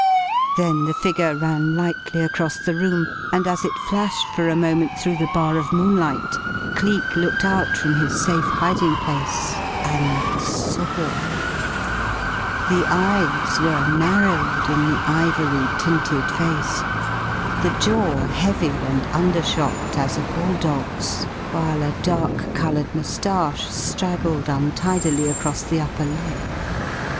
Then the figure ran lightly across the room, and as it flashed for a moment through the bar of moonlight, Cleek looked out from his safe hiding place and saw! The eyes were narrowed in the ivory tinted face, the jaw heavy and undershot as a bull dog's, while a dark coloured mustache straggled untidily across the upper lip.